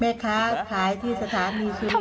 แม่คะขายที่สถานีชีวิตนะคะ